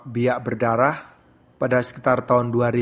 biak berdarah pada sekitar tahun dua ribu